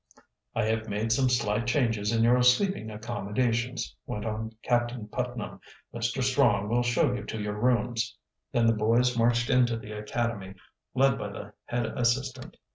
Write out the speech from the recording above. "I have made some slight changes in your sleeping accommodations," went on Captain Putnam. "Mr. Strong will show you to your rooms." Then the boys marched into the academy, led by the head assistant.